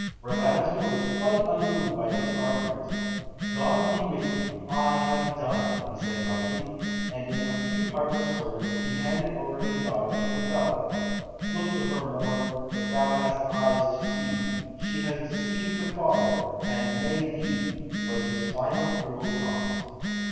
Brabantio was quite unmoved by this argument. "God be with you! I have done," he said roughly, and in a few heartless words he handed over his daughter to Othello. "Look to her, Moor, if thou hast eyes to see; she has deceived her father, and may thee," was his final cruel taunt.